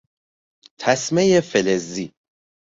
تسمهی فلزی